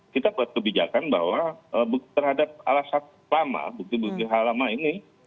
kita buat kebijakan bahwa terhadap alas hak lama bukti bukti hak lama ini